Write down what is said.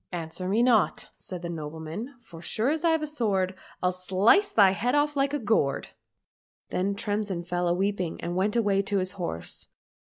—" Answer me not," said the nobleman, " for so sure as I've a sword, I'll slice thy head off like a gourd." — Then Tremsin fell a weeping and went away to his horse.